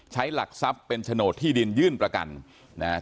หลักทรัพย์เป็นโฉนดที่ดินยื่นประกันนะครับ